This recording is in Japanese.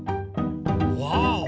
わお！